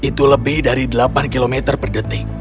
itu lebih dari delapan km per detik